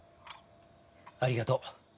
ありがとう。